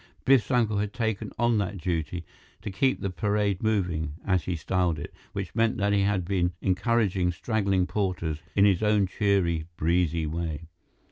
Biff's uncle had taken on that duty to "keep the parade moving" as he styled it, which meant that he had been encouraging straggling porters in his own cheery, breezy way.